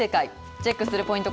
チェックするポイント